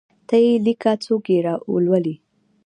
ته یی لیکه څوک یي لولﺉ